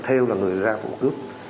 theo là người ra phụ cướp